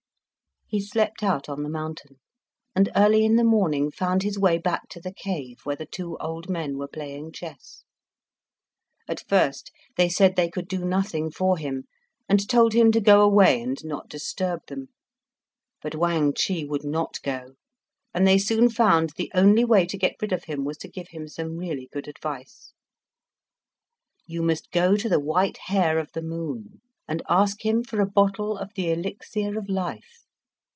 He slept out on the mountain, and early in the morning found his way back to the cave where the two old men were playing chess. At first they said they could do nothing for him, and told him to go away and not disturb them; but Wang Chih would not go, and they soon found the only way to get rid of him was to give him some really good advice. "You must go to the White Hare of the Moon, and ask him for a bottle of the elixir of life.